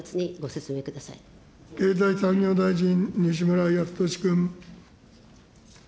経済産業大臣、西村康稔君。